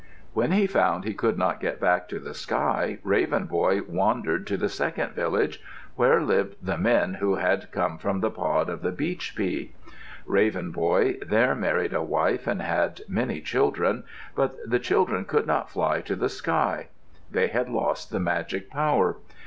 When he found he could not get back to the sky, Raven Boy wandered to the second village, where lived the men who had come from the pod of the beach pea. Raven Boy there married a wife and he had many children. But the children could not fly to the sky. They had lost the magic power.